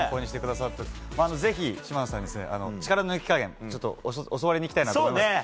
ぜひ島野さんに力の抜き加減をちょっと教わりに行きたいなと思います。